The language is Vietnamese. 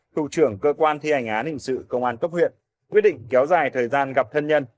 thủ trưởng cơ quan thi hành án hình sự công an cấp huyện quyết định kéo dài thời gian gặp thân nhân